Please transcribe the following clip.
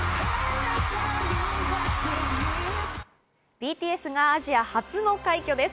ＢＴＳがアジア初の快挙です。